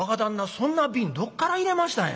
そんな瓶どっから入れましたんや？」。